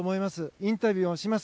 インタビューもします。